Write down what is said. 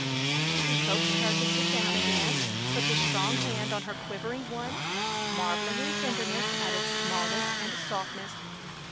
He coaxed her to sit down again, put his strong hand on her quivering one, marveling in tenderness at its smallness and softness.